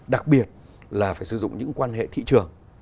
đặc biệt là phải sử dụng những quan hệ thị trường